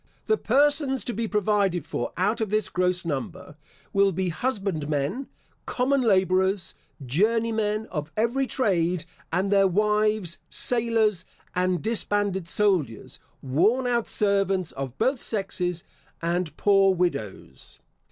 The persons to be provided for out of this gross number will be husbandmen, common labourers, journeymen of every trade and their wives, sailors, and disbanded soldiers, worn out servants of both sexes, and poor widows.